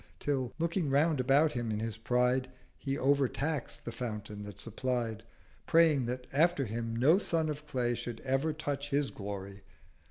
Till, looking round about him in his pride, He overtax'd the Fountain that supplied, Praying that after him no Son of Clay 390 Should ever touch his Glory.